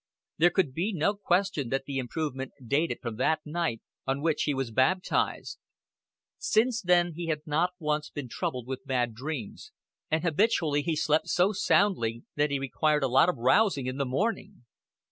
There could be no question that the improvement dated from that night on which he was baptized. Since then he had not once been troubled with bad dreams, and habitually he slept so soundly that he required a lot of rousing in the morning.